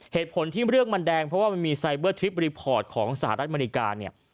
เหตุผลที่เรื่องมันแดงเพราะว่ามันมีไซเบอร์ทริปรีพอร์ตของสหรัฐอเมริกาเนี่ย